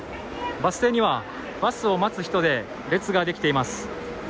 バス停にはバスを待つ人で列ができています。